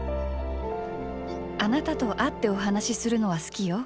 あなたと会ってお話しするのは好きよ。